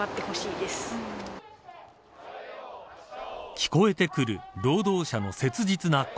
聞こえてくる労働者の切実な声。